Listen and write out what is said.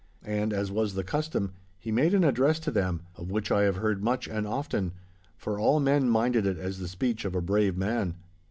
And, as was the custom, he made an address to them—of which I have heard much and often, for all men minded it as the speech of a brave man.